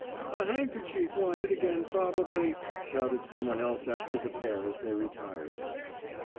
"A handkerchief wanted again probably!" shouted someone else after the pair as they retired.